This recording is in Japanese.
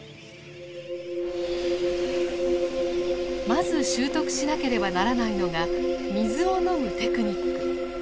まず習得しなければならないのが水を飲むテクニック。